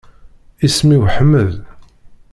Isem-iw Ḥmed.